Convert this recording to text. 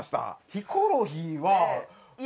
ヒコロヒーは。ねえ？